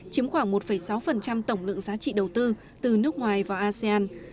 chiếm khoảng một sáu tổng lượng giá trị đầu tư từ nước ngoài vào asean